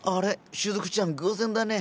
しずくちゃん偶然だね。